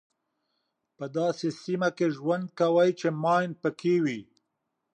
په داسې سیمه کې ژوند کوئ چې ماین پکې وي.